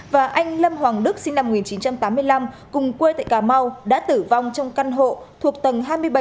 và anh lâm hoàng đức sinh năm một nghìn chín trăm tám mươi năm cùng quê tại cà mau đã tử vong trong căn hộ thuộc tầng hai mươi bảy